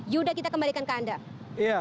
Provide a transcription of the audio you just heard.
yuda kita kembalikan ke anda